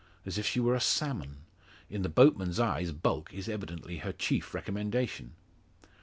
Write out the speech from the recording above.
As if she were a salmon! In the boatman's eyes, bulk is evidently her chief recommendation!